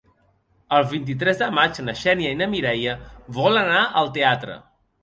El vint-i-tres de maig na Xènia i na Mireia volen anar al teatre.